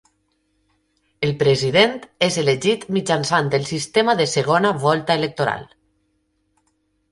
El president és elegit mitjançant el sistema de segona volta electoral.